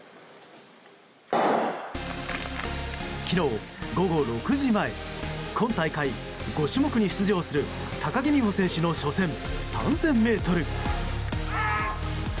昨日午後６時前今大会５種目に出場する高木美帆選手の初戦３０００ｍ。